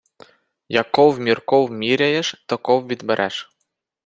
Яков мірков міряєш, таков відбереш!